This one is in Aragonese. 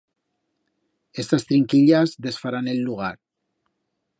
Estas trinquillas desfarán el lugar.